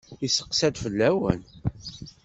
Yesseqsa-d fell-awen.